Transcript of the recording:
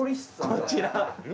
こちら！